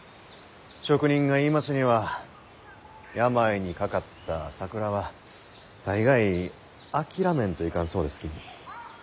職人が言いますには病にかかった桜は大概諦めんといかんそうですき。